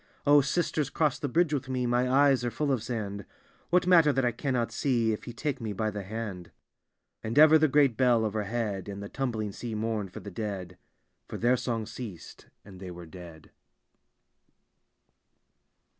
O, sisters, cross the bridge with me, My eyes are full of sand. What matter that I cannot see. If ye take me by the hand ?" And ever the great bell overhead. And the tumbling sea mourned for the dead; For their song ceased, and they were dead.